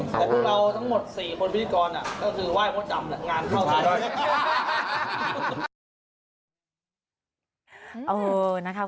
แต่พวกเราทั้งหมด๔คนพิธีกรก็คือไหว้พระจันทร์งานเข้าไทย